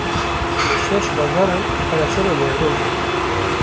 Li şeş bajaran operasyona Newrozê.